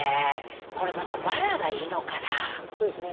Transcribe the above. これまたバラがいいのかなそうですね